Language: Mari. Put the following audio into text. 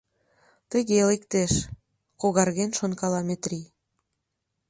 Тыге лектеш... — когарген шонкала Метрий.